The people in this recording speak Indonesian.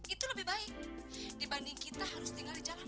itu lebih baik dibanding kita harus tinggal di jalan